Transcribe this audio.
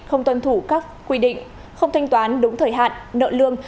không tuân thủ các quy định không thanh toán đúng thời hạn nợ lương